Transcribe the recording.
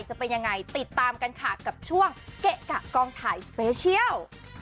จะเป็นยังไงติดตามกันค่ะกับช่วงเกะกะกองถ่ายสเปเชียล